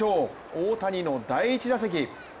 大谷の第１打席。